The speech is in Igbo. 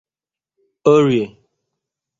Orie